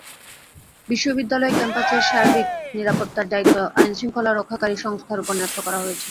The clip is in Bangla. বিশ্ববিদ্যালয় ক্যাম্পাসের সার্বিক নিরাপত্তার দায়িত্ব আইনশৃঙ্খলা রক্ষাকারী সংস্থার ওপর ন্যস্ত করা হয়েছে।